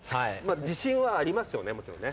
自信はありますよねもちろんね。